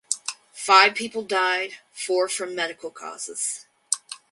Five people died (four from medical causes).